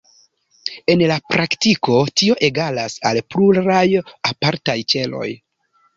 En la praktiko, tio egalas al pluraj apartaj ĉeloj.